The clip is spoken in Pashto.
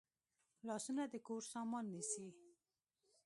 لاسونه د کور سامان نیسي